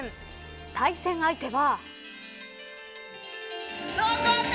対戦相手は。